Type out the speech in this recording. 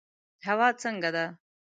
هوا څنګه ده؟